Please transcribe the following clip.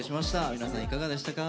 皆さんいかがでしたか。